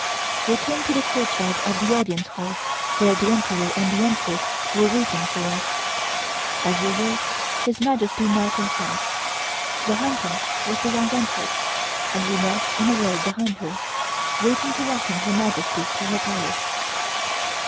We came to the courtyard of the Audience Hall where the Emperor and the Empress were waiting for us. As usual His Majesty knelt in front. Behind him was the Young Empress, and we knelt in a row behind her, waiting to welcome Her Majesty to her Palace.